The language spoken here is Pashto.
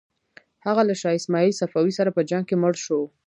هغه له شاه اسماعیل صفوي سره په جنګ کې مړ شو.